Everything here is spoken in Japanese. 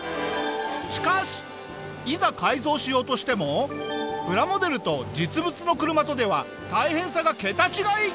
しかしいざ改造しようとしてもプラモデルと実物の車とでは大変さが桁違い！